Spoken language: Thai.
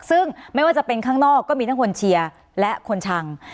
ซึ่งไม่ว่าจะเป็นข้างนอกก็มีทั้งคนเชียร์และคนชัง